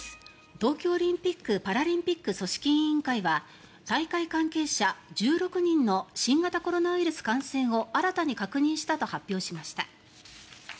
東京オリンピック・パラリンピック組織委員会は大会関係者１６人の新型コロナウイルス感染を新たに確認したと発表しました。